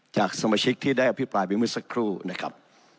จากสมาชิกที่ได้อภิปรายไปเมื่อสักครู่นะครับ